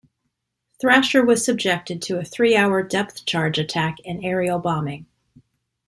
"Thrasher" was subjected to a three-hour depth charge attack and aerial bombing.